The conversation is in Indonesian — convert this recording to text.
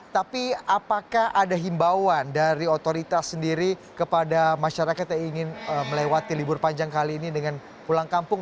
tapi apakah ada himbauan dari otoritas sendiri kepada masyarakat yang ingin melewati libur panjang kali ini dengan pulang kampung